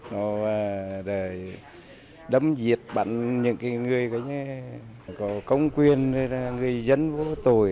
nó đầy đâm diệt bắn những người có công quyền người dân vô tội